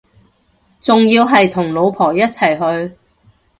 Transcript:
仲要係同老婆一齊去